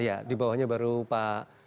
iya dibawahnya baru pak